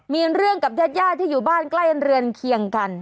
มีเรื่องกับญาติญาติที่อยู่บ้านใกล้เรือนเคียงกัน